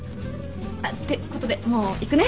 あってことでもう行くね。